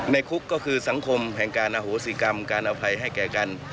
คุกก็คือสังคมแห่งการอโหสิกรรมการอภัยให้แก่กัน